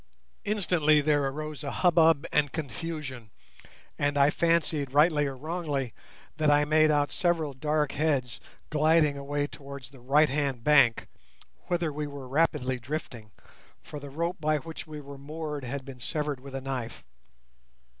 Instantly there arose a hubbub and confusion, and I fancied, rightly or wrongly, that I made out several dark heads gliding away towards the right hand bank, whither we were rapidly drifting, for the rope by which we were moored had been severed with a knife.